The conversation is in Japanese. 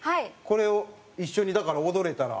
これを一緒にだから踊れたら。